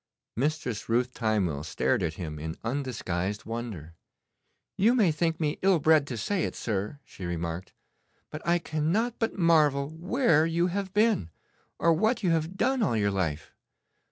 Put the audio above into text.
Mistress Ruth Timewell stared at him in undisguised wonder. 'You may think me ill bred to say it, sir,' she remarked, 'but I cannot but marvel where you have been, or what you have done all your life.